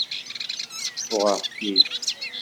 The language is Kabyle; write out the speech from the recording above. Uɣeɣ-t-id.